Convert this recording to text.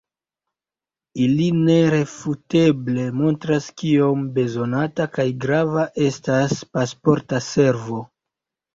Ili nerefuteble montras kiom bezonata kaj grava estas Pasporta Servo.